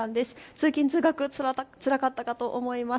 通勤通学つらかったかと思います。